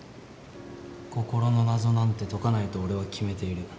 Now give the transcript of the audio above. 心の謎なんて解かないと俺は決めている。